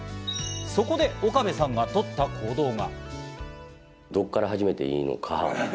そこで岡部さんがとった行動が。